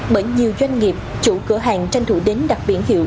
bởi nhiều doanh nghiệp chủ cửa hàng tranh thủ đến đặt biển hiệu